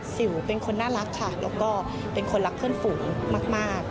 สิวเป็นคนน่ารักค่ะแล้วก็เป็นคนรักเพื่อนฝูงมาก